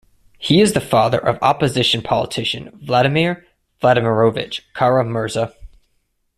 He is the father of opposition politician Vladimir Vladimirovich Kara-Murza.